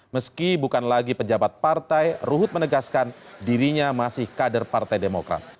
meski bukan lagi pejabat partai ruhut menegaskan dirinya masih kader partai demokrat